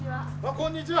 こんにちは！